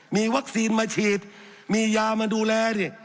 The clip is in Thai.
มีวัคซีนมาฉีดมียามาดูแลนี่